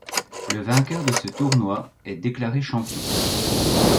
Le vainqueur de ce tournoi est déclaré champion.